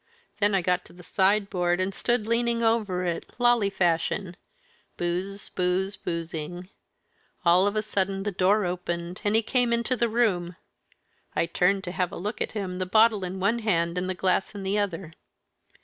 Then I got to the sideboard, and stood leaning over it, lolly fashion, booze, booze, boozing. All of a sudden the door opened, and he came into the room. I turned to have a look at him, the bottle in one hand and the glass in the other.